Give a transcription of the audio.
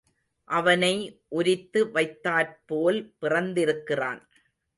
அவனை உரித்து வைத்தாற்போல் பிறந்திருக்கிறான்.